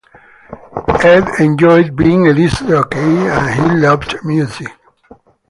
Ed enjoyed being a disc jockey and he loved music.